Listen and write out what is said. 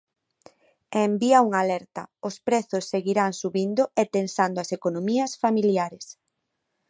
E envía unha alerta: os prezos seguirán subindo e tensando as economías familiares.